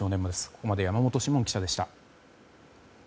ここまで、山本志門記者でした。